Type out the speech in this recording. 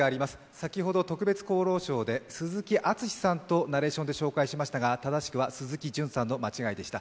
先ほど特別功労賞で鈴木あつしさんとナレーションで紹介しましたが正しくは鈴木じゅんさんの間違いでした。